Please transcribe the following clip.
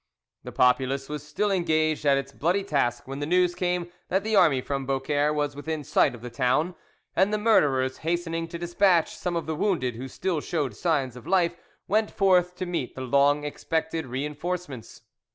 The populace was still engaged at its bloody task when news came that the army from Beaucaire was within sight of the town, and the murderers, hastening to despatch some of the wounded who still showed signs of life, went forth to meet the long expected reinforcements.